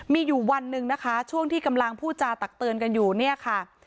มีอยู่วันหนึ่งนะคะช่วงที่กำลังพูดจาตักเตือนกันอยู่เนี่ยค่ะ